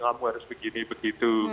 kamu harus begini begitu